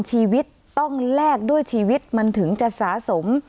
ชีวิตต้องแลกด้วยชีวิตมันถึงจะสะสม